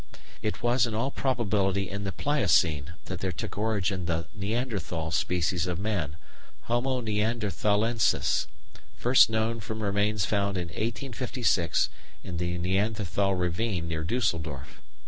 It was in all probability in the Pliocene that there took origin the Neanderthal species of man, Homo neanderthalensis, first known from remains found in 1856 in the Neanderthal ravine near Düsseldorf.